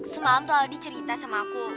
semalam tuh aldi cerita sama aku